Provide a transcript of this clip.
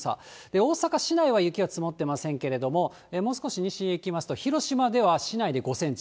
大阪市内は雪は積もってませんけれども、もう少し西へ行きますと、広島では市内で５センチ。